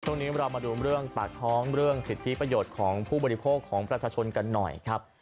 ช่วงนี้เรามาดูเรื่องปากท้องเรื่องสิทธิประโยชน์ของผู้บริโภคของประชาชนกันหน่อยครับ